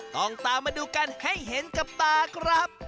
ต้องตามมาดูกันให้เห็นกับตาครับ